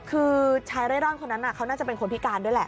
คือชายเร่ร่อนคนนั้นเขาน่าจะเป็นคนพิการด้วยแหละ